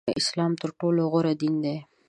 اسلام تر ټولو غوره دین دی